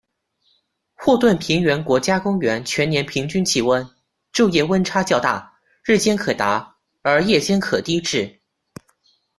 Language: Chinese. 霍顿平原国家公园全年平均气温，昼夜温差较大，日间可达，而夜间可低至。